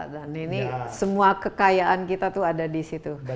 dan ini semua kekayaan kita tuh ada disitu